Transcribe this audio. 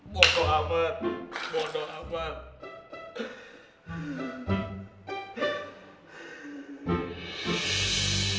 bodoh amat bodoh amat